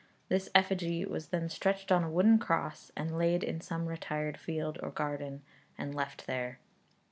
This effigy was then stretched on a wooden cross, and laid in some retired field or garden, and left there.